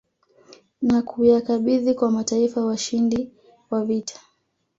Na kuyakabidhi kwa mataifa washindi wa vita